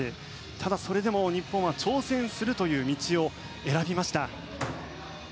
ただ、それでも日本は挑戦するという道を選びました。